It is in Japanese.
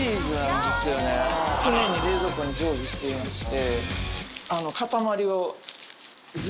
常に冷蔵庫に常備していまして。